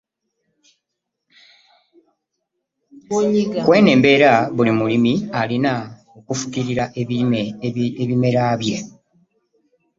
Kweno embeera buli mulimi alina okufukirira ebimera bye.